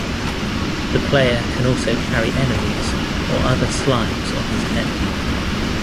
The player can also carry enemies or other slimes on his head.